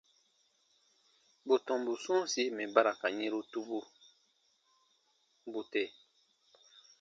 Bù tɔmbu sɔ̃ɔsi mɛ̀ ba ra ka yɛ̃ru tubu, bù tè.